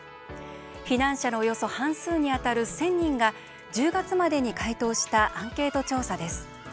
避難者のおよそ半数に当たる１０００人が１０月までに回答したアンケート調査です。